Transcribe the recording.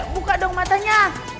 buka dong matanya